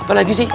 apa lagi sih